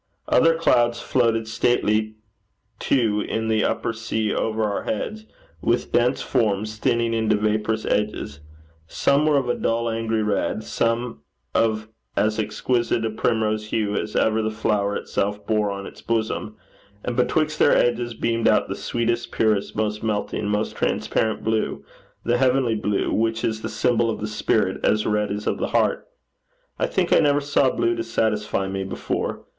Other clouds floated stately too in the upper sea over our heads, with dense forms, thinning into vaporous edges. Some were of a dull angry red; some of as exquisite a primrose hue as ever the flower itself bore on its bosom; and betwixt their edges beamed out the sweetest, purest, most melting, most transparent blue, the heavenly blue which is the symbol of the spirit as red is of the heart. I think I never saw a blue to satisfy me before.